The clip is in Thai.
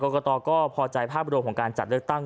กตก็พอใจภาพรวมของการจัดเลือกตั้ง